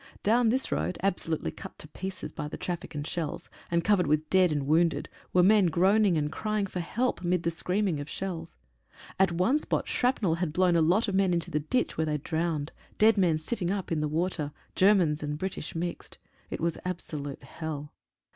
Down this road, absolutely cut to pieces by the traffic and shells, and covered with dead and wounded, were men groaning and crying for help mid the screaming of shells. At one spot shrapnel had blown a lot of men into the ditch, where they drowned — dead men sitting up in the water — Germans and British mixed. It was absolute hell.